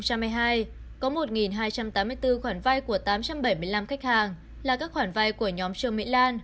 có một hai trăm tám mươi bốn khoản vai của tám trăm bảy mươi năm khách hàng là các khoản vai của nhóm trường mỹ lan